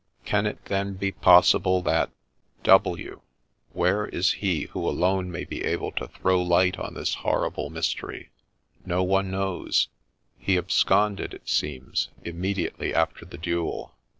Can it then be possible that ? W ? where is he who alone may be able to throw light on this horrible mystery ?— No one knows. He absconded, it seems, immediately after the duel.